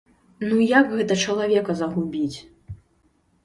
Ну, як гэта чалавека загубіць?